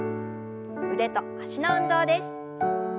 腕と脚の運動です。